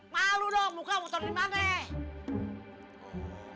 malu dong muka muter di mana